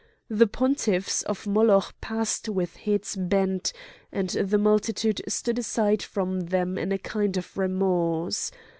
The pontiffs of Moloch passed with heads bent, and the multitude stood aside from them in a kind of remorse.